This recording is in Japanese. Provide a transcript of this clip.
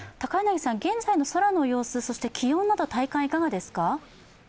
現在の空の様子、そして気温など体感はいかがですか？